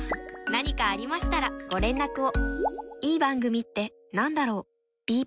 何かありましたらご連絡を。